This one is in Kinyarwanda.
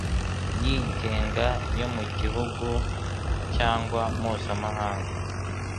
yigenga yo mu gihugu cyangwa mpuzamahanga